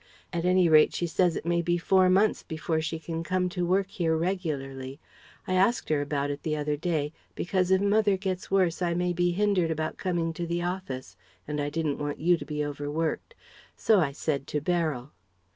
At any rate she says it may be four months before she can come to work here regularly. I asked her about it the other day, because if mother gets worse I may be hindered about coming to the office, and I didn't want you to get overworked, so I said to Beryl....